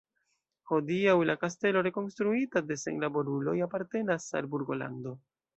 Hodiaŭ la kastelo, rekonstruita de senlaboruloj, apartenas al Burgolando.